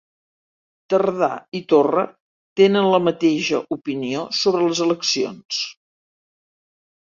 Tardà i Torra tenen la mateixa opinió sobre les eleccions